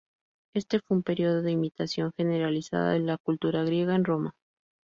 Este fue un período de imitación generalizada de la cultura griega en Roma.